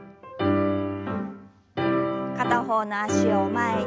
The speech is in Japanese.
片方の脚を前に。